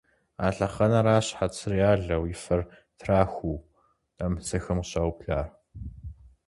А лъэхъэнэращ щхьэцыр ялэу, и фэр трахуу нэмыцэхэм къыщаублар.